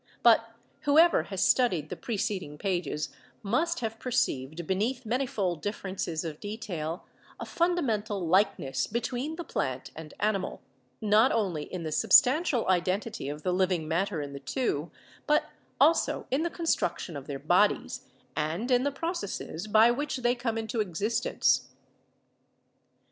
But whoever has studied the preceding pages must have perceived beneath manifold differences of detail a fundamental likeness be tween the plant and animal, not only in the substantial identity of the living matter in the two but also in the construction of their bodies and in the processes by which they come into existence.